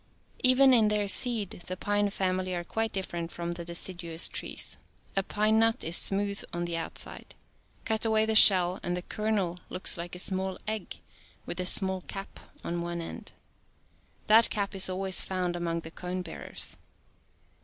Even in their seed the pine family are quite differ ent from the deciduous trees. A pine nut is smooth on the outside. Cut away the shell, and the kernel looks like a small egg with a small cap on one end. That cap is always found among the cone bearers.